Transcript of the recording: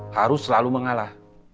harus selalu mengalah